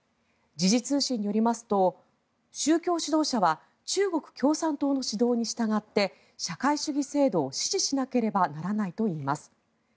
時事通信によりますと宗教指導者は中国共産党の指導に従って社会主義制度を支持しなければならないといいます。